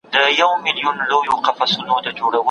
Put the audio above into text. هغه څوک چي اقليمي دلايل وايي تېروځي.